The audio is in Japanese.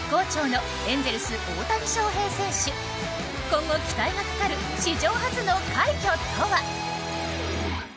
今後、期待がかかる史上初の快挙とは。